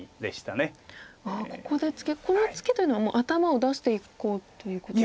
このツケというのは頭を出していこうということ？